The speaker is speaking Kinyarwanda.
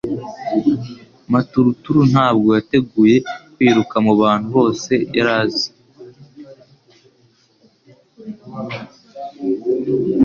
Maturuturu ntabwo yateguye kwiruka mubantu bose yari azi.